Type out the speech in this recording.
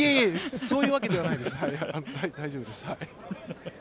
そういうわけではないんですが、大丈夫です。